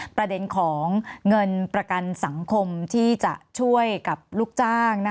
ประเด็นของเงินประกันสังคมที่จะช่วยกับลูกจ้าง